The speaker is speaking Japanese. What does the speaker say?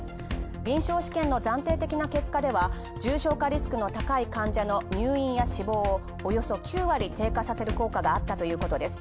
臨床試験の暫定的な結果では、重症化リスクの高い患者の入院や死亡をおよそ９割低下させる効果があったということです。